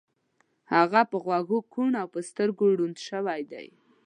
هغه په غوږو کوڼ او په سترګو ړوند شوی دی